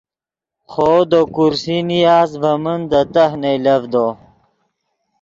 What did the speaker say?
خوو دے کرسی نیاست ڤے من دے تہہ نئیلڤدو